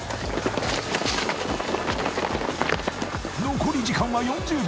［残り時間は４０秒。